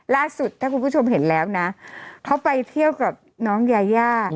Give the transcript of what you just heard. ล่าสุดถ้าคุณผู้ชมเห็นแล้วนะเขาไปเที่ยวกับน้องยายา